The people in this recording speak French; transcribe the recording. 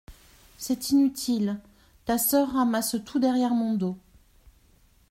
C'est inutile, ta soeur ramasse tout derrière mon dos.